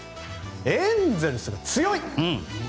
エンゼルスが強い！